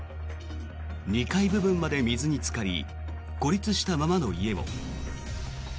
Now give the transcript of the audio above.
２階部分まで水につかり孤立したままの家も。